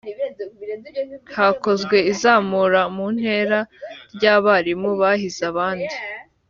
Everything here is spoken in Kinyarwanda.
hakozwe izamura mu ntera y’abarimu bahize abandi